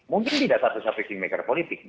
mungkin tidak satu sampai kingmaker politik